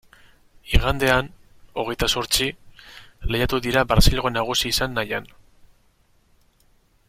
Igandean, hogeita zortzi, lehiatu dira Brasilgo nagusi izan nahian.